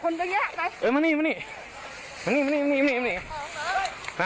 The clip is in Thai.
ลองสนิท